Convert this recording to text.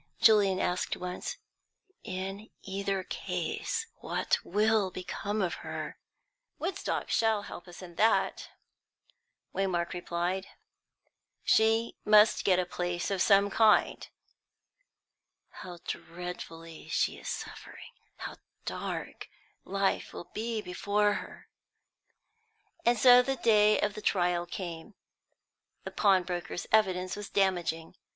Julian asked once. "In either case what will become of her!" "Woodstock shall help us in that," Waymark replied. "She must get a place of some kind." "How dreadfully she is suffering, and how dark life will be before her!" And so the day of the trial came. The pawnbroker's evidence was damaging.